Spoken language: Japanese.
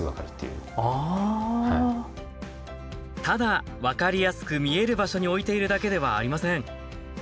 ただ分かりやすく見える場所に置いているだけではありません。